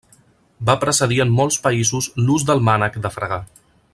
Va precedir en molts països l'ús del mànec de fregar.